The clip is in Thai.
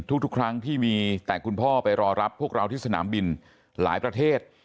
ทุกครั้งที่มีแต่คุณพ่อไปรอรับพวกเราที่สนามบินหลายประเทศ